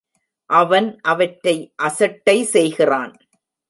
அவன் அவற்றை அசட்டை செய்கிறான்.